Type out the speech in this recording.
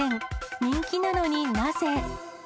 人気なのになぜ？